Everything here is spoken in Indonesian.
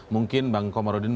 mungkin bang komarudin